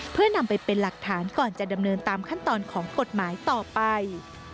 เพื่อนำไปเป็นหลักฐานก่อนจะดำเนินตามขั้นตอนของกฎหมายต่อไป